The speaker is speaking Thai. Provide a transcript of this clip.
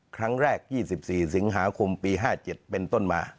ครั้งแรก๒๔สิงหาคมปี๕๗เป็นต้นมา